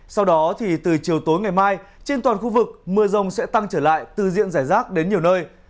sau đó thì từ chiều tối ngày mai trên toàn khu vực mưa rông sẽ tăng trở lại từ diện giải rác đến nhiều nơi